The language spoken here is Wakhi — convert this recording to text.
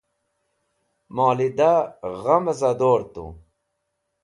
molida gha mazodor tu